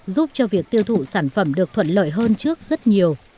giúp cho việc tiêu thụ sản phẩm được thuận lợi hơn trước rất nhiều